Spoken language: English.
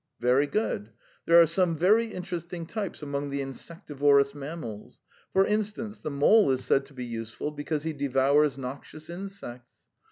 "Very good. There are some very interesting types among the insectivorous mammals. For instance, the mole is said to be useful because he devours noxious insects.